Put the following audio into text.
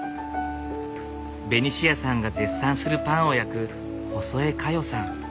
ベニシアさんが絶賛するパンを焼く細江香代さん。